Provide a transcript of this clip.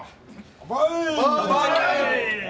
乾杯！